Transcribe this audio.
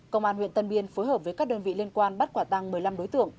công an huyện tân biên phối hợp với các đơn vị liên quan bắt quả tăng một mươi năm đối tượng